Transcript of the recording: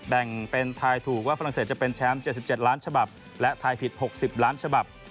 แบ่งเป็นทายถูกว่าฝรั่งเศสจะเป็นแชมป์๗๗ล้านฉบับและทายผิด๖๐ล้านฉบับ